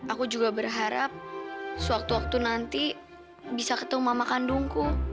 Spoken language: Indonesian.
aku juga berharap sewaktu waktu nanti bisa ketemu mama kandungku